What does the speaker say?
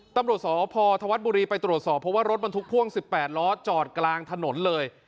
ตำรวจสพธวัฒนบุรีไปตรวจสอบเพราะว่ารถบรรทุกพ่วง๑๘ล้อจอดกลางถนนเลย